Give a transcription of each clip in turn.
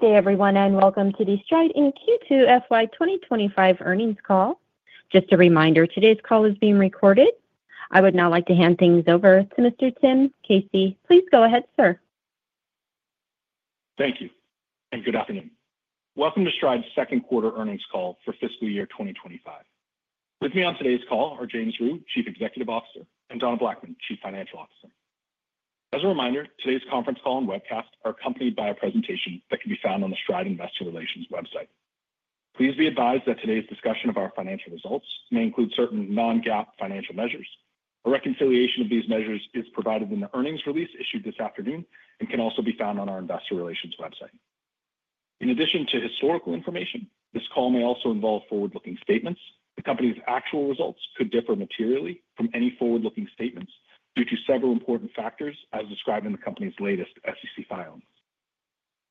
Good day, everyone, and welcome to the Stride's Q2 FY 2025 Earnings Call. Just a reminder, today's call is being recorded. I would now like to hand things over to Mr. Tim Casey. Please go ahead, sir. Thank you, and good afternoon. Welcome to Stride's Second Quarter Earnings Call for Fiscal Year 2025. With me on today's call are James Rhyu, Chief Executive Officer, and Donna Blackman, Chief Financial Officer. As a reminder, today's conference call and webcast are accompanied by a presentation that can be found on the Stride Investor Relations website. Please be advised that today's discussion of our financial results may include certain Non-GAAP financial measures. A reconciliation of these measures is provided in the earnings release issued this afternoon and can also be found on our Investor Relations website. In addition to historical information, this call may also involve forward-looking statements. The company's actual results could differ materially from any forward-looking statements due to several important factors, as described in the company's latest SEC filings.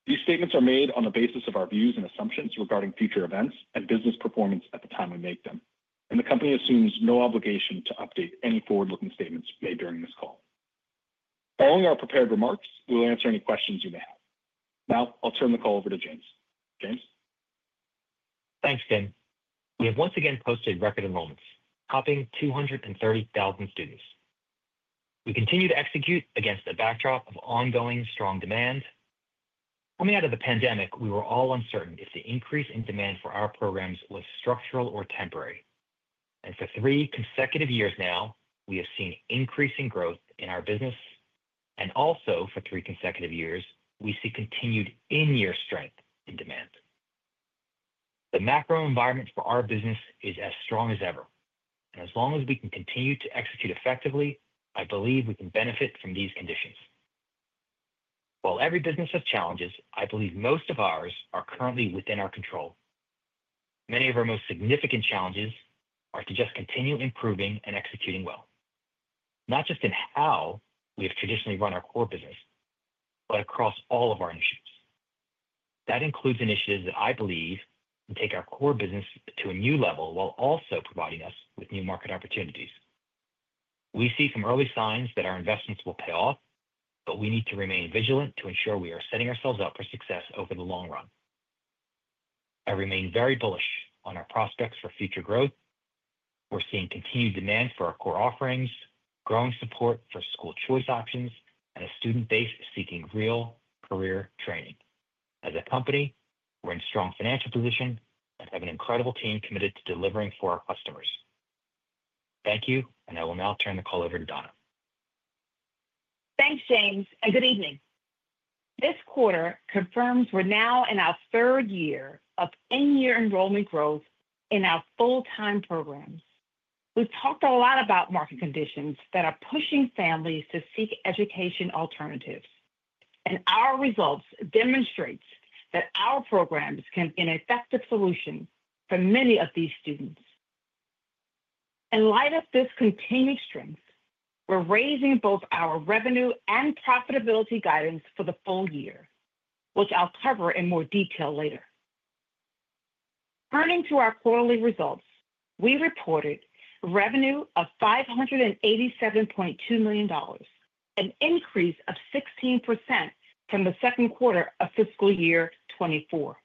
These statements are made on the basis of our views and assumptions regarding future events and business performance at the time we make them, and the company assumes no obligation to update any forward-looking statements made during this call. Following our prepared remarks, we'll answer any questions you may have. Now, I'll turn the call over to James. James? Thanks, Tim. We have once again posted record enrollments, topping 230,000 students. We continue to execute against the backdrop of ongoing strong demand. Coming out of the pandemic, we were all uncertain if the increase in demand for our programs was structural or temporary, and for three consecutive years now, we have seen increasing growth in our business, and also for three consecutive years, we see continued in-year strength in demand. The macro environment for our business is as strong as ever, and as long as we can continue to execute effectively, I believe we can benefit from these conditions. While every business has challenges, I believe most of ours are currently within our control. Many of our most significant challenges are to just continue improving and executing well, not just in how we have traditionally run our core business, but across all of our initiatives. That includes initiatives that I believe can take our core business to a new level while also providing us with new market opportunities. We see some early signs that our investments will pay off, but we need to remain vigilant to ensure we are setting ourselves up for success over the long run. I remain very bullish on our prospects for future growth. We're seeing continued demand for our core offerings, growing support for school choice options, and a student base seeking real career training. As a company, we're in a strong financial position and have an incredible team committed to delivering for our customers. Thank you, and I will now turn the call over to Donna. Thanks, James, and good evening. This quarter confirms we're now in our third year of in-year enrollment growth in our full-time programs. We've talked a lot about market conditions that are pushing families to seek education alternatives, and our results demonstrate that our programs can be an effective solution for many of these students. In light of this continued strength, we're raising both our revenue and profitability guidance for the full year, which I'll cover in more detail later. Turning to our quarterly results, we reported revenue of $587.2 million, an increase of 16% from the second quarter of fiscal year 2024.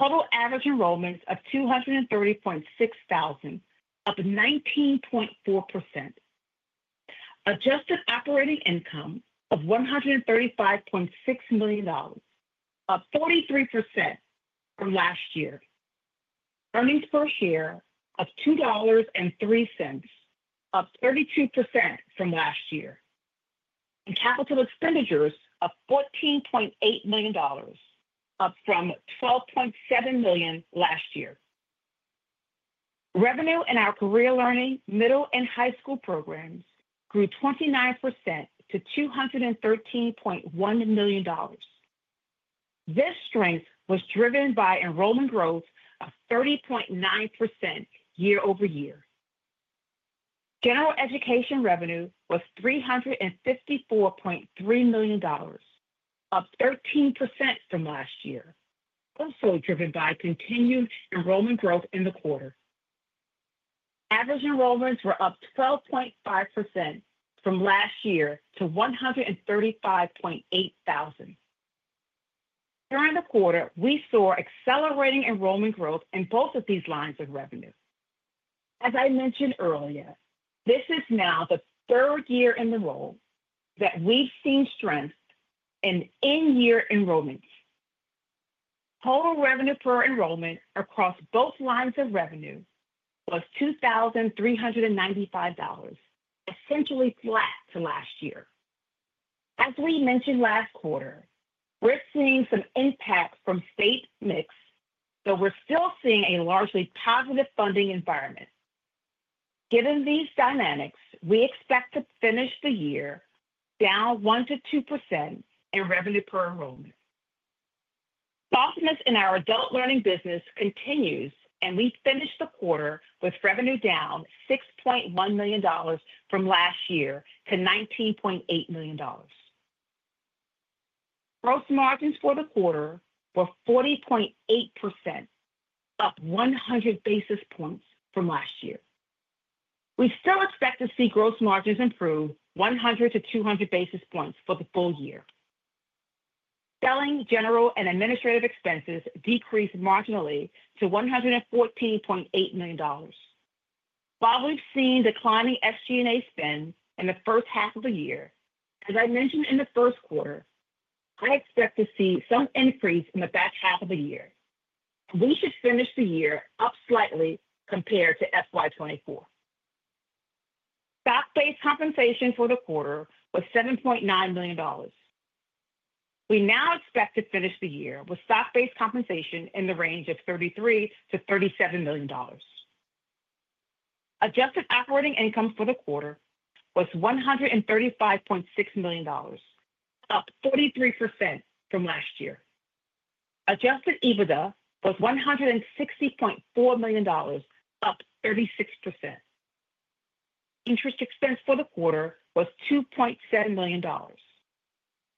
Total average enrollment of 230,600, up 19.4%. Adjusted operating income of $135.6 million, up 43% from last year. Earnings per share of $2.03, up 32% from last year. And capital expenditures of $14.8 million, up from $12.7 million last year. Revenue in our Career Learning, Middle, and High School programs grew 29% to $213.1 million. This strength was driven by enrollment growth of 30.9% year-over-year. General Education revenue was $354.3 million, up 13% from last year, also driven by continued enrollment growth in the quarter. Average enrollments were up 12.5% from last year to 135.8 thousand. During the quarter, we saw accelerating enrollment growth in both of these lines of revenue. As I mentioned earlier, this is now the third year in a row that we've seen strength in in-year enrollments. Total revenue per enrollment across both lines of revenue was $2,395, essentially flat to last year. As we mentioned last quarter, we're seeing some impact from state mix, but we're still seeing a largely positive funding environment. Given these dynamics, we expect to finish the year down 1%-2% in revenue per enrollment. Softness in our Adult Learning business continues, and we finished the quarter with revenue down $6.1 million from last year to $19.8 million. Gross margins for the quarter were 40.8%, up 100 basis points from last year. We still expect to see gross margins improve 100 to 200 basis points for the full year. Selling general and administrative expenses decreased marginally to $114.8 million. While we've seen declining SG&A spend in the first half of the year, as I mentioned in the first quarter, I expect to see some increase in the back half of the year. We should finish the year up slightly compared to FY 2024. Stock-based compensation for the quarter was $7.9 million. We now expect to finish the year with stock-based compensation in the range of $33 million-$37 million. Adjusted operating income for the quarter was $135.6 million, up 43% from last year. Adjusted EBITDA was $160.4 million, up 36%. Interest expense for the quarter was $2.7 million.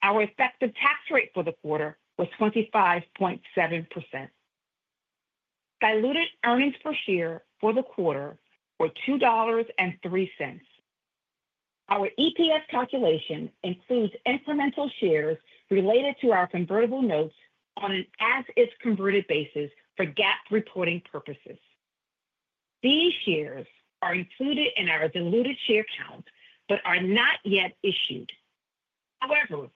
Our effective tax rate for the quarter was 25.7%. Diluted earnings per share for the quarter were $2.03. Our EPS calculation includes incremental shares related to our convertible notes on an as-if converted basis for GAAP reporting purposes. These shares are included in our diluted share count but are not yet issued. However,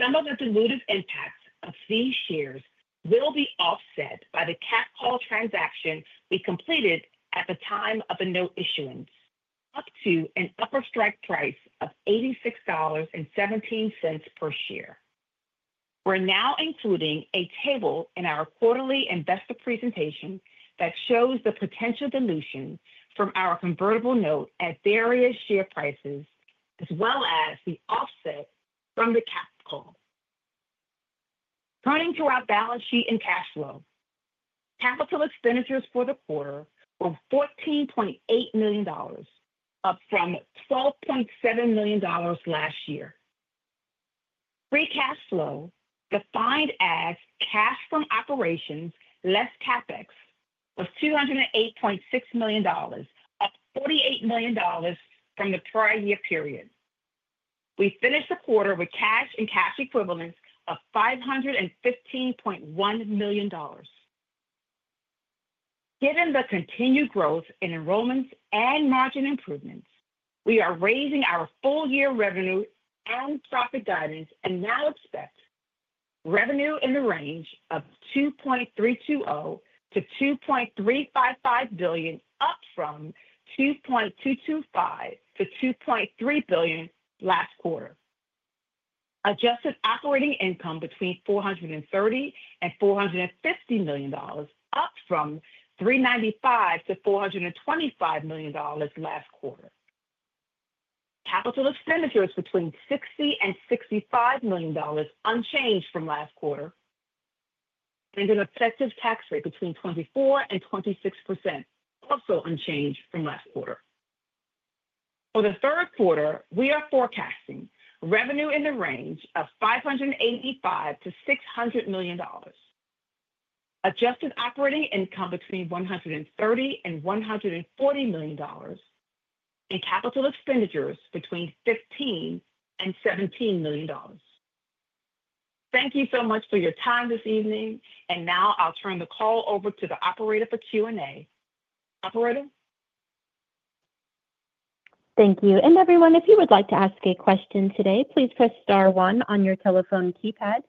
some of the dilutive impacts of these shares will be offset by the capped call transaction we completed at the time of the note issuance, up to an upper strike price of $86.17 per share. We're now including a table in our quarterly investor presentation that shows the potential dilution from our convertible note at various share prices, as well as the offset from the capped call. Turning to our balance sheet and cash flow, capital expenditures for the quarter were $14.8 million, up from $12.7 million last year. Free cash flow, defined as cash from operations less CapEx, was $208.6 million, up $48 million from the prior year period. We finished the quarter with cash and cash equivalents of $515.1 million. Given the continued growth in enrollments and margin improvements, we are raising our full-year revenue and profit guidance and now expect revenue in the range of $2.320 billion-$2.355 billion, up from $2.225 billion-$2.3 billion last quarter. Adjusted operating income between $430 million-$450 million, up from $395 million-$425 million last quarter. Capital expenditures between $60 million-$65 million, unchanged from last quarter. An effective tax rate between 24%-26%, also unchanged from last quarter. For the third quarter, we are forecasting revenue in the range of $585 million-$600 million. Adjusted operating income between $130 million and $140 million, and capital expenditures between $15 million and $17 million. Thank you so much for your time this evening, and now I'll turn the call over to the operator for Q&A. Operator? Thank you. And everyone, if you would like to ask a question today, please press star one on your telephone keypad.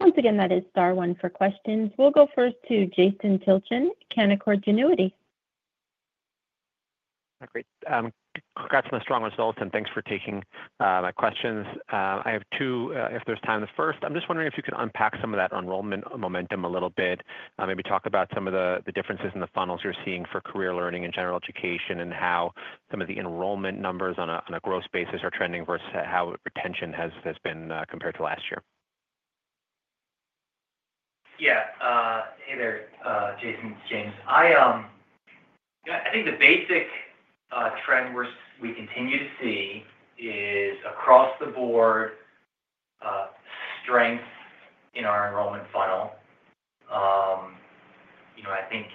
Once again, that is star one for questions. We'll go first to Jason Tilchen, Canaccord Genuity. Great. Congrats on the strong results, and thanks for taking my questions. I have two, if there's time. The first, I'm just wondering if you could unpack some of that enrollment momentum a little bit, maybe talk about some of the differences in the funnels you're seeing for Career Learning and General Education and how some of the enrollment numbers on a gross basis are trending versus how retention has been compared to last year. Yeah. Hey there, Jason, it's James. I think the basic trend we continue to see is across the board strength in our enrollment funnel. I think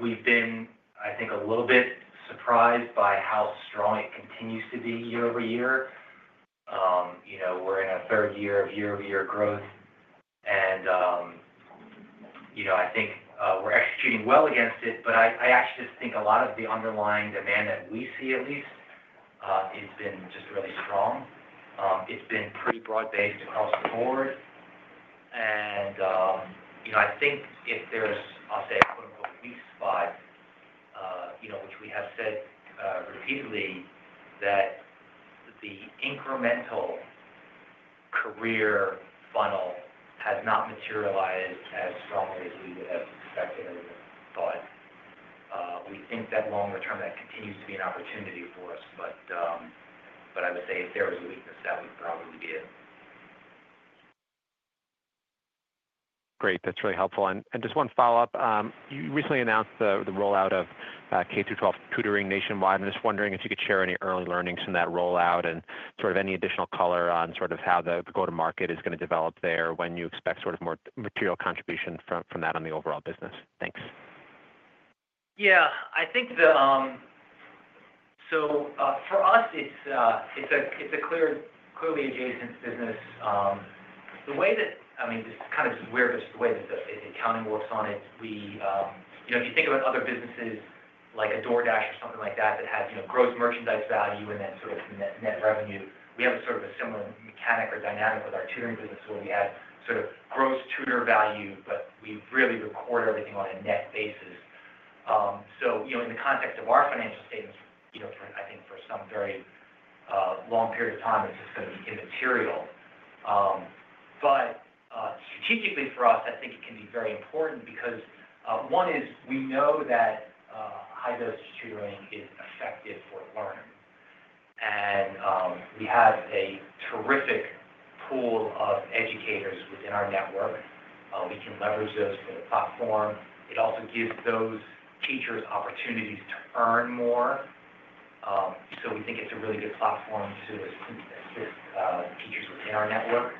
we've been, I think, a little bit surprised by how strong it continues to be year-over-year. We're in a third year of year-over-year growth, and I think we're executing well against it, but I actually just think a lot of the underlying demand that we see, at least, has been just really strong. It's been pretty broad-based across the board. And I think if there's, I'll say, a "weak spot," which we have said repeatedly, that the incremental career funnel has not materialized as strongly as we would have expected or thought. We think that longer-term, that continues to be an opportunity for us, but I would say if there was a weakness, that we probably would be in. Great. That's really helpful and just one follow-up. You recently announced the rollout of K-12 tutoring nationwide. I'm just wondering if you could share any early learnings from that rollout and sort of any additional color on sort of how the go-to-market is going to develop there, when you expect sort of more material contribution from that on the overall business? Thanks. Yeah. I think—so for us, it's a clearly adjacent business. The way that, I mean, this is kind of just weird, but just the way that the accounting works on it, we, if you think about other businesses like a DoorDash or something like that that has gross merchandise value and then sort of net revenue, we have sort of a similar mechanic or dynamic with our tutoring business where we have sort of gross tutor value, but we really record everything on a net basis, so in the context of our financial statements, I think for some very long period of time, it's just going to be immaterial, but strategically for us, I think it can be very important because one is we know that high-dosage tutoring is effective for learning, and we have a terrific pool of educators within our network. We can leverage those for the platform. It also gives those teachers opportunities to earn more, so we think it's a really good platform to assist teachers within our network,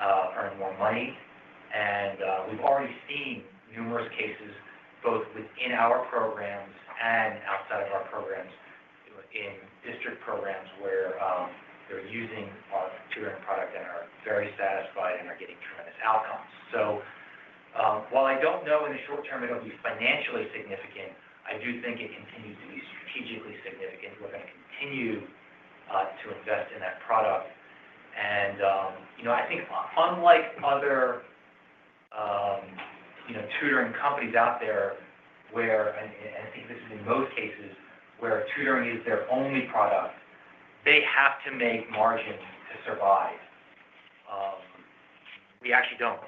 earn more money, and we've already seen numerous cases both within our programs and outside of our programs in district programs where they're using our tutoring product and are very satisfied and are getting tremendous outcomes, so while I don't know in the short term it'll be financially significant, I do think it continues to be strategically significant. We're going to continue to invest in that product, and I think unlike other tutoring companies out there, where, and I think this is in most cases where tutoring is their only product, they have to make margins to survive. We actually don't.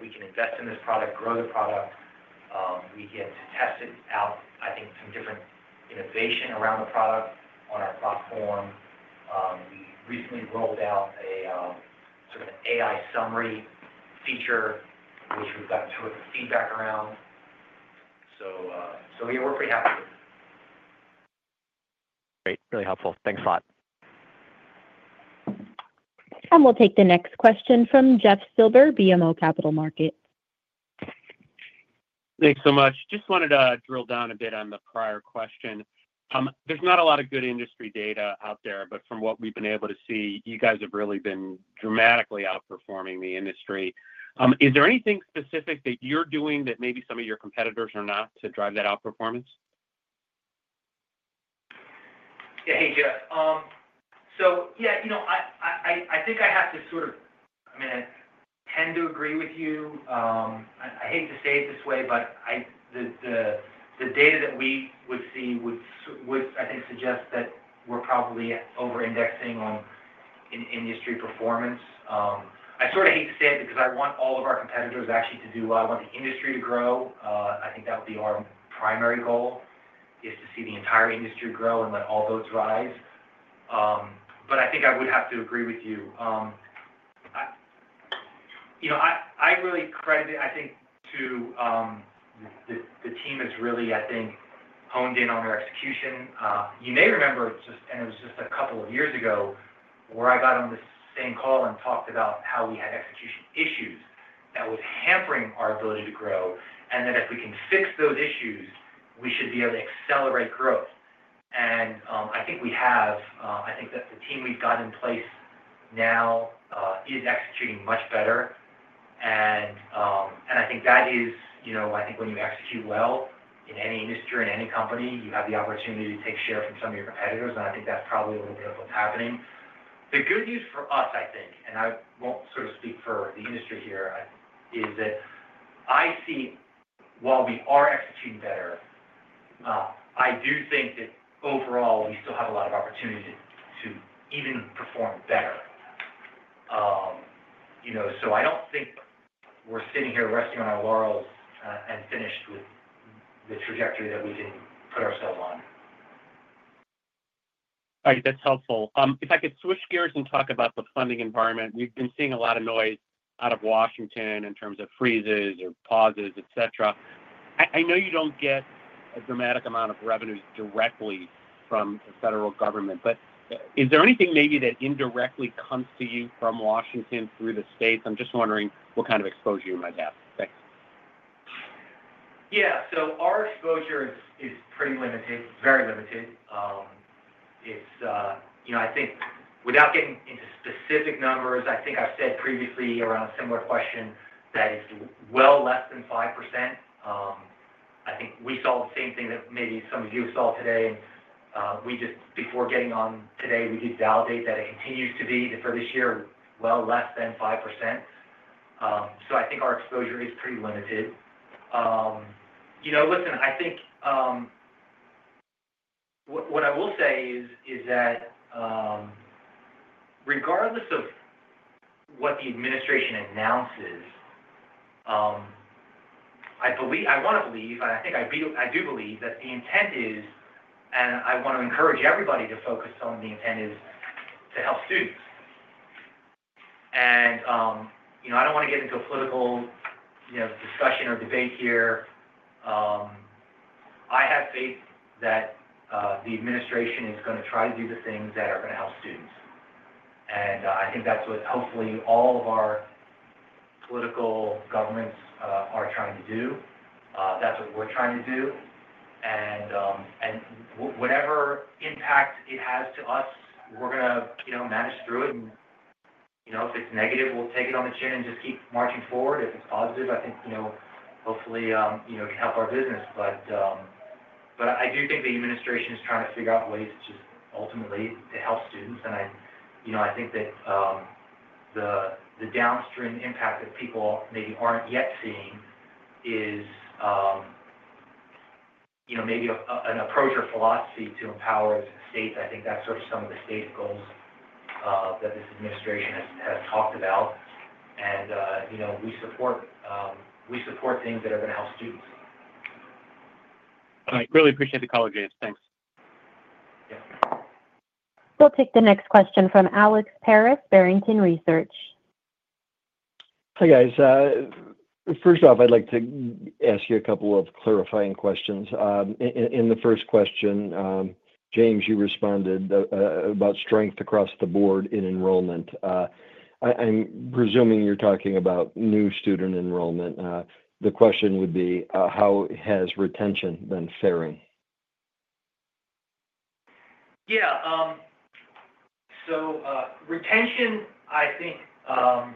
We can invest in this product, grow the product. We get to test it out, I think, some different innovation around the product on our platform. We recently rolled out a sort of AI summary feature, which we've gotten sort of feedback around. So yeah, we're pretty happy with it. Great. Really helpful. Thanks a lot. We'll take the next question from Jeff Silber, BMO Capital Markets. Thanks so much. Just wanted to drill down a bit on the prior question. There's not a lot of good industry data out there, but from what we've been able to see, you guys have really been dramatically outperforming the industry. Is there anything specific that you're doing that maybe some of your competitors are not to drive that outperformance? Yeah. Hey, Jeff. So yeah, I think I have to sort of, I mean, I tend to agree with you. I hate to say it this way, but the data that we would see would, I think, suggest that we're probably over-indexing on industry performance. I sort of hate to say it because I want all of our competitors actually to do well. I want the industry to grow. I think that would be our primary goal, is to see the entire industry grow and let all boats rise. But I think I would have to agree with you. I really credit it, I think, to the team that's really, I think, honed in on our execution. You may remember, and it was just a couple of years ago, where I got on this same call and talked about how we had execution issues that were hampering our ability to grow, and that if we can fix those issues, we should be able to accelerate growth. And I think we have, I think that the team we've got in place now is executing much better. And I think that is, I think when you execute well in any industry or in any company, you have the opportunity to take share from some of your competitors. And I think that's probably a little bit of what's happening. The good news for us, I think, and I won't sort of speak for the industry here, is that I see, while we are executing better, I do think that overall, we still have a lot of opportunity to even perform better. So I don't think we're sitting here resting on our laurels and finished with the trajectory that we didn't put ourselves on. All right. That's helpful. If I could switch gears and talk about the funding environment, we've been seeing a lot of noise out of Washington in terms of freezes or pauses, etc. I know you don't get a dramatic amount of revenues directly from the federal government, but is there anything maybe that indirectly comes to you from Washington through the states? I'm just wondering what kind of exposure you might have. Thanks. Yeah. So our exposure is pretty limited, very limited. I think without getting into specific numbers, I think I've said previously around a similar question that it's well less than 5%. I think we saw the same thing that maybe some of you saw today. And before getting on today, we did validate that it continues to be for this year, well less than 5%. So I think our exposure is pretty limited. Listen, I think what I will say is that regardless of what the administration announces, I want to believe, and I think I do believe that the intent is, and I want to encourage everybody to focus on the intent, is to help students. And I don't want to get into a political discussion or debate here. I have faith that the administration is going to try to do the things that are going to help students. And I think that's what hopefully all of our political governments are trying to do. That's what we're trying to do. And whatever impact it has to us, we're going to manage through it. And if it's negative, we'll take it on the chin and just keep marching forward. If it's positive, I think hopefully it can help our business. But I do think the administration is trying to figure out ways to just ultimately help students. And I think that the downstream impact that people maybe aren't yet seeing is maybe an approach or philosophy to empower states. I think that's sort of some of the state goals that this administration has talked about. And we support things that are going to help students. All right. Really appreciate the call, James. Thanks. Yep. We'll take the next question from Alex Paris, Barrington Research. Hi, guys. First off, I'd like to ask you a couple of clarifying questions. In the first question, James, you responded about strength across the board in enrollment. I'm presuming you're talking about new student enrollment. The question would be, how has retention been faring? Yeah. So retention, I think a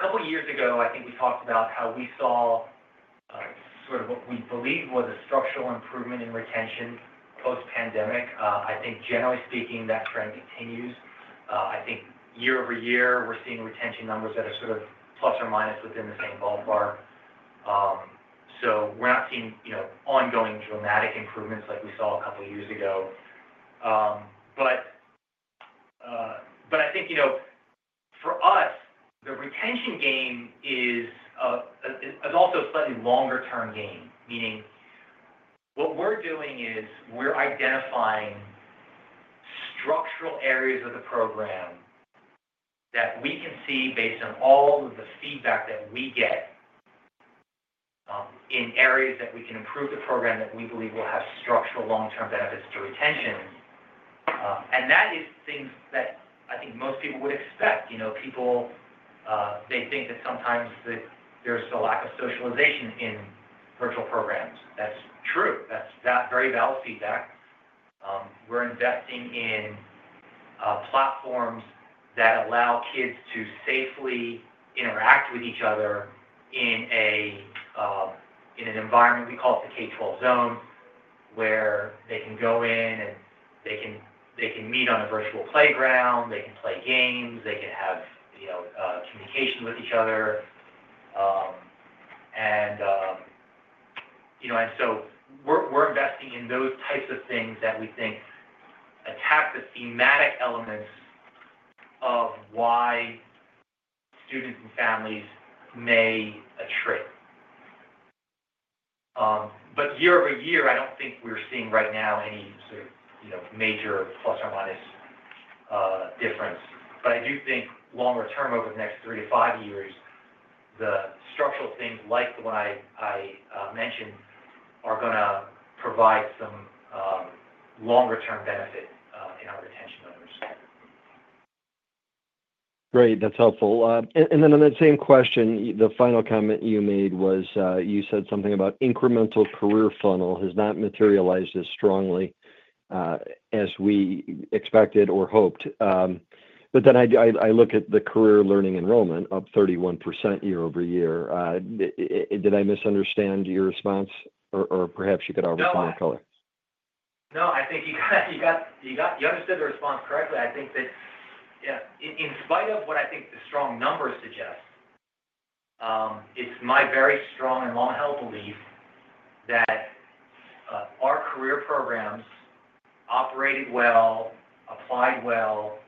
couple of years ago, I think we talked about how we saw sort of what we believe was a structural improvement in retention post-pandemic. I think generally speaking, that trend continues. I think year-over-year, we're seeing retention numbers that are sort of plus or minus within the same ballpark. So we're not seeing ongoing dramatic improvements like we saw a couple of years ago. But I think for us, the retention gain is also a slightly longer-term gain. Meaning what we're doing is we're identifying structural areas of the program that we can see based on all of the feedback that we get in areas that we can improve the program that we believe will have structural long-term benefits to retention. And that is things that I think most people would expect. People, they think that sometimes there's a lack of socialization in virtual programs. That's true. That's very valid feedback. We're investing in platforms that allow kids to safely interact with each other in an environment we call it the K12 Zone, where they can go in and they can meet on a virtual playground. They can play games. They can have communication with each other. And so we're investing in those types of things that we think attack the thematic elements of why students and families may attrit. But year-over-year, I don't think we're seeing right now any sort of major plus or minus difference. But I do think longer-term, over the next three to five years, the structural things like the one I mentioned are going to provide some longer-term benefit in our retention numbers. Great. That's helpful. And then on that same question, the final comment you made was you said something about incremental career funnel has not materialized as strongly as we expected or hoped. But then I look at the career learning enrollment of 31% year-over-year. Did I misunderstand your response? Or perhaps you could offer some more color? No. No. I think you understood the response correctly. I think that in spite of what I think the strong numbers suggest, it's my very strong and long-held belief that our career programs operated well, applied well.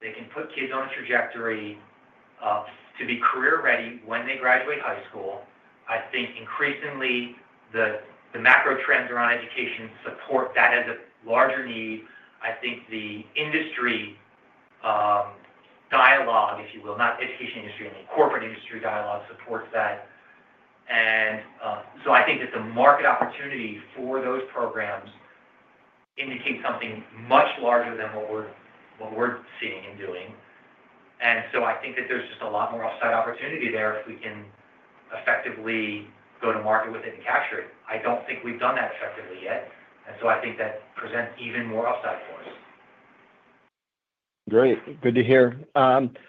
They can put kids on a trajectory to be career-ready when they graduate high school. I think increasingly the macro trends around education support that as a larger need. I think the industry dialogue, if you will, not education industry, I mean corporate industry dialogue supports that. And so I think that the market opportunity for those programs indicates something much larger than what we're seeing and doing. And so I think that there's just a lot more upside opportunity there if we can effectively go to market with it and capture it. I don't think we've done that effectively yet. And so I think that presents even more upside for us. Great. Good to hear.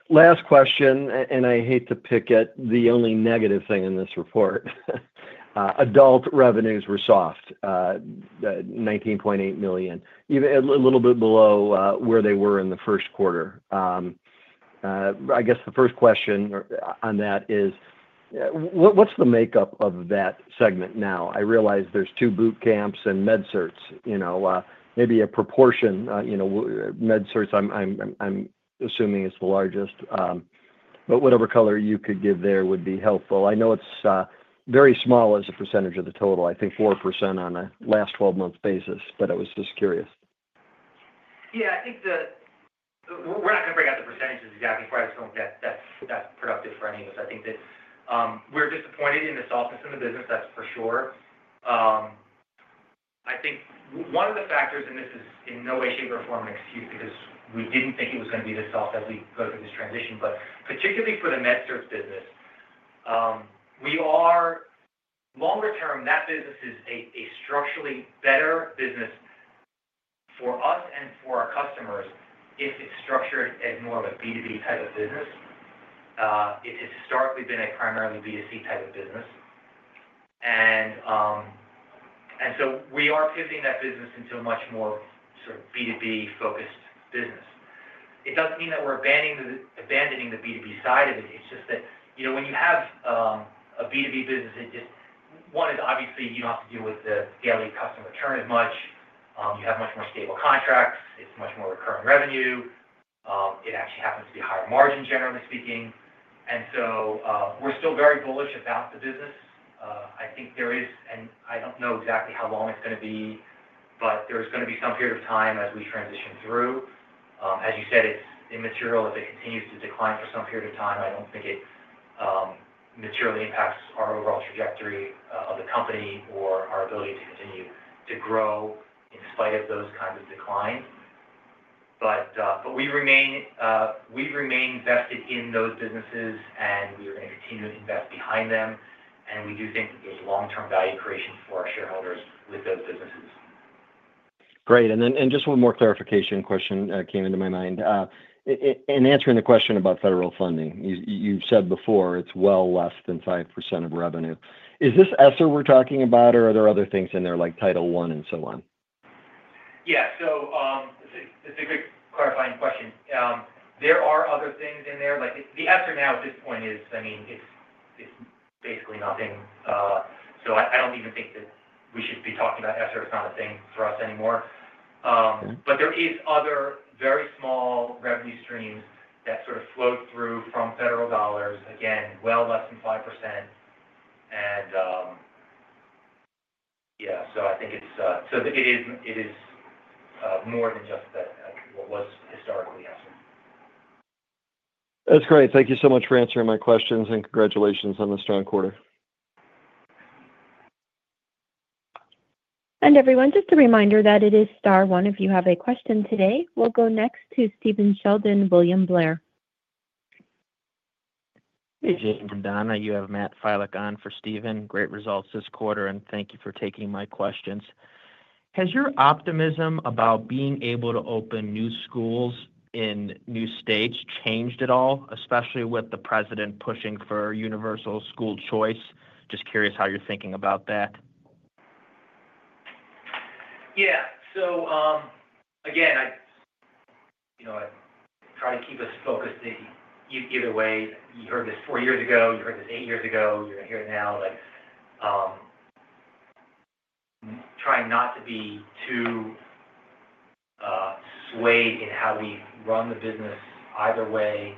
Last question, and I hate to pick at the only negative thing in this report. Adult revenues were soft, $19.8 million, a little bit below where they were in the first quarter. I guess the first question on that is, what's the makeup of that segment now? I realize there's two boot camps and MedCerts. Maybe a proportion, MedCerts, I'm assuming is the largest. But whatever color you could give there would be helpful. I know it's very small as a percentage of the total. I think 4% on a last 12-month basis, but I was just curious. Yeah. I think we're not going to break out the percentages exactly for us. I don't think that's productive for any of us. I think that we're disappointed in the softness in the business, that's for sure. I think one of the factors, and this is in no way, shape, or form an excuse because we didn't think it was going to be this soft as we go through this transition, but particularly for the MedCerts business, we are longer-term, that business is a structurally better business for us and for our customers if it's structured as more of a B2B type of business. It has historically been a primarily B2C type of business, and so we are pivoting that business into a much more sort of B2B-focused business. It doesn't mean that we're abandoning the B2C side of it. It's just that when you have a B2B business, one is obviously you don't have to deal with the daily customer turn as much. You have much more stable contracts. It's much more recurring revenue. It actually happens to be higher margin, generally speaking. And so we're still very bullish about the business. I think there is, and I don't know exactly how long it's going to be, but there's going to be some period of time as we transition through. As you said, it's immaterial if it continues to decline for some period of time. I don't think it materially impacts our overall trajectory of the company or our ability to continue to grow in spite of those kinds of declines. But we remain vested in those businesses, and we are going to continue to invest behind them. We do think that there's long-term value creation for our shareholders with those businesses. Great. And then just one more clarification question came into my mind. In answering the question about federal funding, you said before it's well less than 5% of revenue. Is this ESSER we're talking about, or are there other things in there like Title I and so on? Yeah. So it's a good clarifying question. There are other things in there. The ESSER now at this point is, I mean, it's basically nothing. So I don't even think that we should be talking about ESSER. It's not a thing for us anymore. But there are other very small revenue streams that sort of flow through from federal dollars, again, well less than 5%. And yeah. So I think it is more than just what was historically ESSER. That's great. Thank you so much for answering my questions, and congratulations on the strong quarter. Everyone, just a reminder that it is star one if you have a question today. We'll go next to Stephen Sheldon, William Blair. Hey, James, and Donna. You have Matt Filek on for Stephen. Great results this quarter, and thank you for taking my questions. Has your optimism about being able to open new schools in new states changed at all, especially with the president pushing for universal school choice? Just curious how you're thinking about that. Yeah. So again, I try to keep us focused either way. You heard this four years ago. You heard this eight years ago. You're going to hear it now. Trying not to be too swayed in how we run the business either way,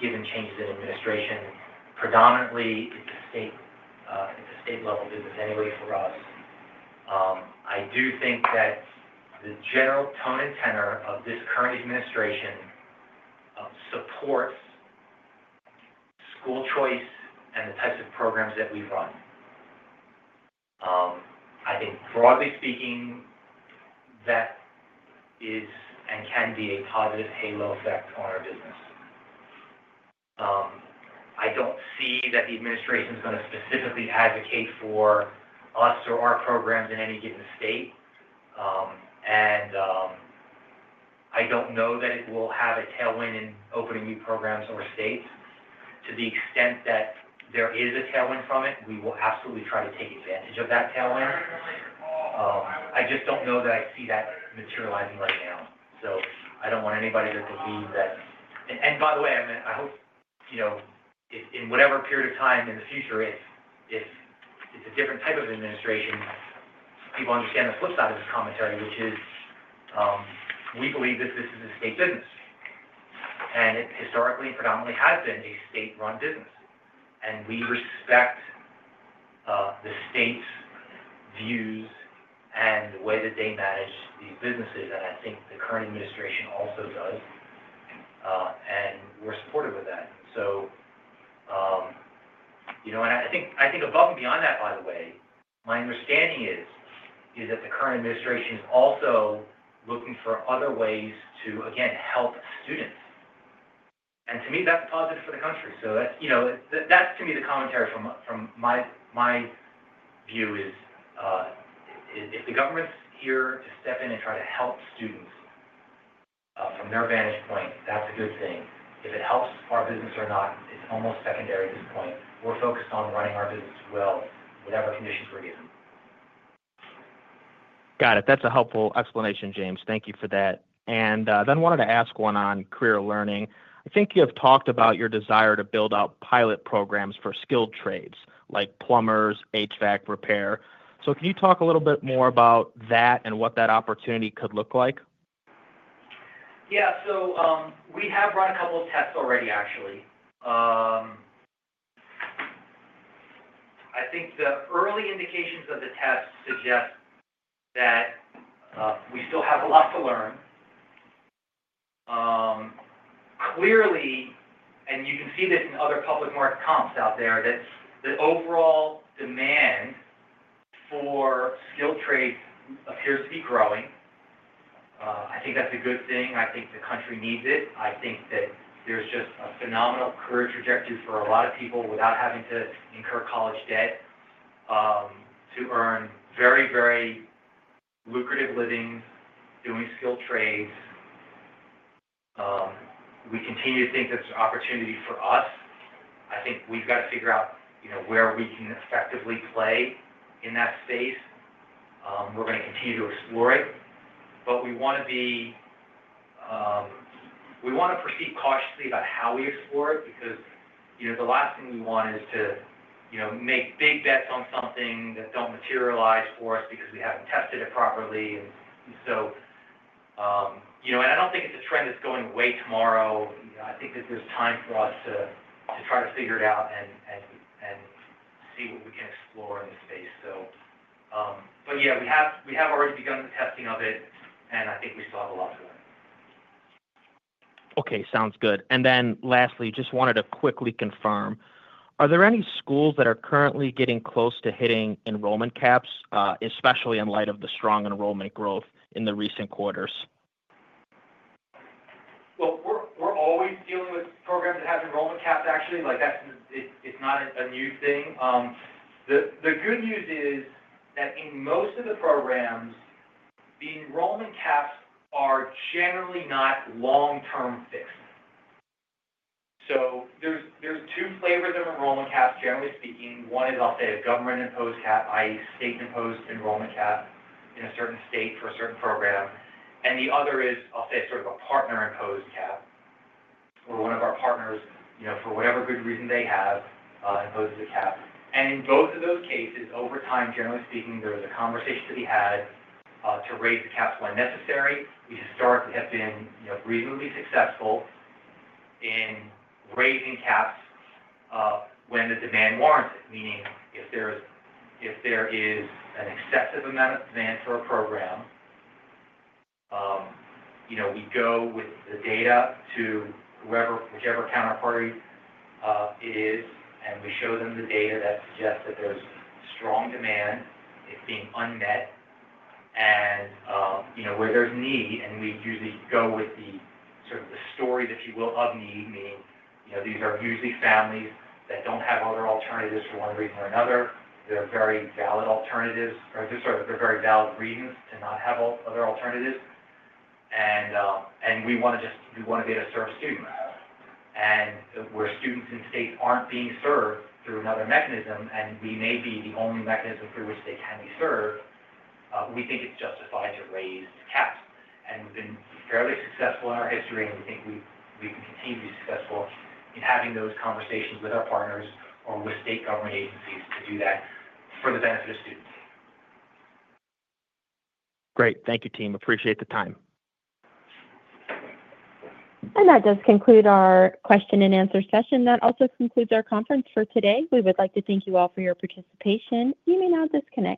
given changes in administration. Predominantly, it's a state-level business anyway for us. I do think that the general tone and tenor of this current administration supports school choice and the types of programs that we run. I think broadly speaking, that is and can be a positive halo effect on our business. I don't see that the administration is going to specifically advocate for us or our programs in any given state, and I don't know that it will have a tailwind in opening new programs or states. To the extent that there is a tailwind from it, we will absolutely try to take advantage of that tailwind. I just don't know that I see that materializing right now. So I don't want anybody to believe that. And by the way, I hope in whatever period of time in the future, if it's a different type of administration, people understand the flip side of this commentary, which is we believe that this is a state business. And it historically and predominantly has been a state-run business. And we respect the state's views and the way that they manage these businesses. And I think the current administration also does. And we're supportive of that. And so I think above and beyond that, by the way, my understanding is that the current administration is also looking for other ways to, again, help students. To me, that's positive for the country. That's to me the commentary from my view is if the government's here to step in and try to help students from their vantage point, that's a good thing. If it helps our business or not, it's almost secondary at this point. We're focused on running our business well in whatever conditions we're given. Got it. That's a helpful explanation, James. Thank you for that. And then wanted to ask one on career learning. I think you have talked about your desire to build out pilot programs for skilled trades like plumbers, HVAC repair. So can you talk a little bit more about that and what that opportunity could look like? Yeah, so we have run a couple of tests already, actually. I think the early indications of the tests suggest that we still have a lot to learn. Clearly, and you can see this in other public market comps out there, that the overall demand for skilled trades appears to be growing. I think that's a good thing. I think the country needs it. I think that there's just a phenomenal career trajectory for a lot of people without having to incur college debt to earn very, very lucrative livings doing skilled trades. We continue to think that's an opportunity for us. I think we've got to figure out where we can effectively play in that space. We're going to continue to explore it. But we want to proceed cautiously about how we explore it because the last thing we want is to make big bets on something that don't materialize for us because we haven't tested it properly. And so I don't think it's a trend that's going away tomorrow. I think that there's time for us to try to figure it out and see what we can explore in this space, so. But yeah, we have already begun the testing of it, and I think we still have a lot to learn. Okay. Sounds good. And then lastly, just wanted to quickly confirm, are there any schools that are currently getting close to hitting enrollment caps, especially in light of the strong enrollment growth in the recent quarters? We're always dealing with programs that have enrollment caps, actually. It's not a new thing. The good news is that in most of the programs, the enrollment caps are generally not long-term fixed. So there's two flavors of enrollment caps, generally speaking. One is, I'll say, a government-imposed cap, i.e., state-imposed enrollment cap in a certain state for a certain program. And the other is, I'll say, sort of a partner-imposed cap, where one of our partners, for whatever good reason they have, imposes a cap. And in both of those cases, over time, generally speaking, there is a conversation to be had to raise the caps when necessary. We historically have been reasonably successful in raising caps when the demand warrants it, meaning if there is an excessive amount of demand for a program, we go with the data to whichever counterparty it is, and we show them the data that suggests that there's strong demand, it being unmet, and where there's need. And we usually go with the sort of the stories, if you will, of need, meaning these are usually families that don't have other alternatives for one reason or another. They're very valid alternatives, or they're very valid reasons to not have other alternatives. And we want to be able to serve students. And where students in states aren't being served through another mechanism, and we may be the only mechanism through which they can be served, we think it's justified to raise caps. We've been fairly successful in our history, and we think we can continue to be successful in having those conversations with our partners or with state government agencies to do that for the benefit of students. Great. Thank you, team. Appreciate the time. And that does conclude our question and answer session. That also concludes our conference for today. We would like to thank you all for your participation. You may now disconnect.